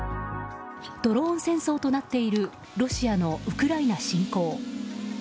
ドローン戦争となっているロシアのウクライナ侵攻。